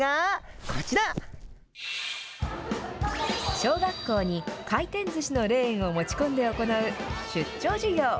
小学校に回転ずしのレーンを持ち込んで行う出張授業。